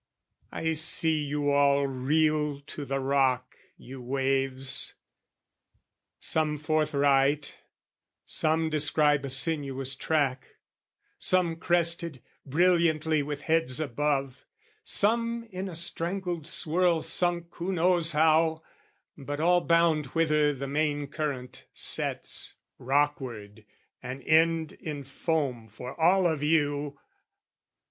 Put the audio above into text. I see you all reel to the rock, you waves Some forthright, some describe a sinuous track, Some crested, brilliantly with heads above, Some in a strangled swirl sunk who knows how, But all bound whither the main current sets, Rockward, an end in foam for all of you!